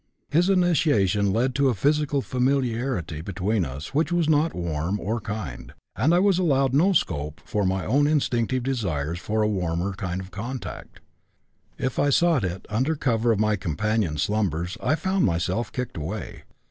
His initiation led to a physical familiarity between us which was not warm or kind, and I was allowed no scope for my own instinctive desires for a warmer kind of contact; if I sought it under cover of my companion's slumbers I found myself kicked away.